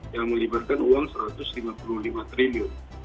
yang melibatkan uang rp satu ratus lima puluh lima triliun